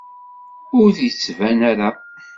Ur d-yettban ara.